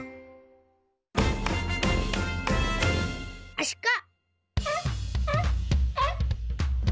アシカ。